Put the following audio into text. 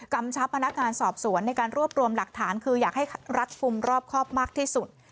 ชับพนักงานสอบสวนในการรวบรวมหลักฐานคืออยากให้รัดฟุมรอบครอบมากที่สุด